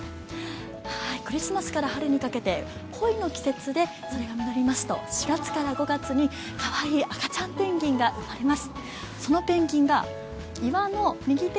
クリスマスから春にかけて恋の季節でそれが実りますと４月から９月にかわいい赤ちゃんペンギンが生まれます。